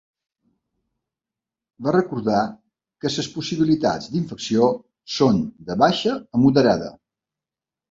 Va recordar que les possibilitats d’infecció són ‘de baixa a moderada’.